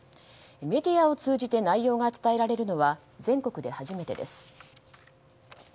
メディアを通じて内容が伝えられるのは全国で初めてです。